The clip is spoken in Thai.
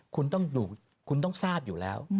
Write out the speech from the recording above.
คุณต้องดูคุณต้องทราบอยู่แล้ว